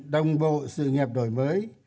đồng bộ sự nghiệp đổi mới